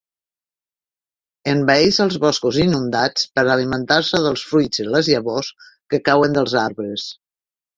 Envaeix els boscos inundats per alimentar-se dels fruits i les llavors que cauen dels arbres.